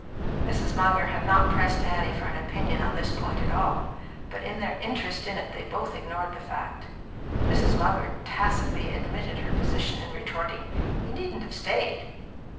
Mrs. Munger had not pressed Annie for an opinion on this point at all; but in their interest in it they both ignored the fact. Mrs. Munger tacitly admitted her position in retorting, "He needn't have stayed."